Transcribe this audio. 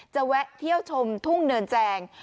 แวะเที่ยวชมทุ่งเนินแจง